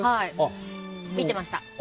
見てました。